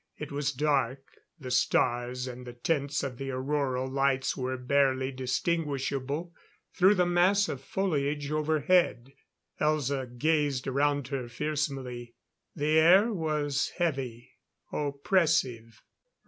It was dark, the stars and the tints of the auroral lights were barely distinguishable through the mass of foliage overhead. Elza gazed around her fearsomely. The air was heavy, oppressive.